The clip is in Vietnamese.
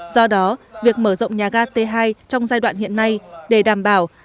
do đó việc mở rộng nhà ga t hai trong giai đoạn hiện nay để đảm bảo đáp ứng kỹ thuật